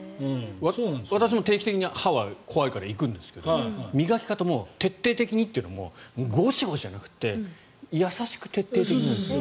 私も定期的に歯は怖いから行くんですけど磨き方も徹底的にというよりもゴシゴシじゃなくて優しく徹底的にやるんです。